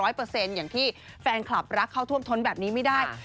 อย่างที่แฟนคลับรักเข้าท่วมท้นแบบนี้ไม่ได้